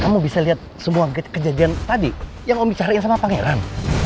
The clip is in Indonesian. kamu bisa lihat semua kejadian tadi yang kamu bicarain sama pangeran